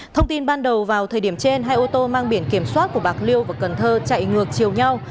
thông tin ban đầu vào thời điểm trên hai ô tô mang biển kiểm soát của bạc liêu và cần thơ chạy ngược chiều nhau